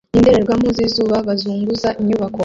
nindorerwamo zizuba bazunguza inyubako